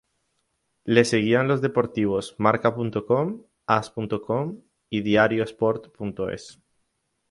Le seguían los deportivos marca.com, as.com y diariosport.es.